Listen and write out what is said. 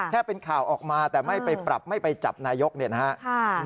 แค่เป็นข่าวออกมาแต่ไม่ไปปรับไม่ไปจับนายกเนี่ยนะครับ